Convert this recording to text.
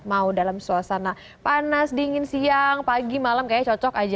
mau dalam suasana panas dingin siang pagi malam kayaknya cocok aja